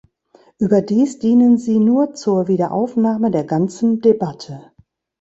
Überdies dienen sie nur zur Wiederaufnahme der ganzen Debatte.